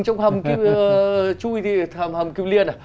trong hầm kiêu liên